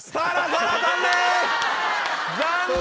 残念！